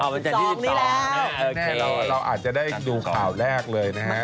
แล้วกิ้งสองนี้แล้วเออเคเราเราอาจจะได้ดูข่าวแรกเลยนะฮะ